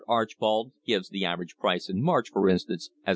Archbold gives the average price in March, for instance, as 7.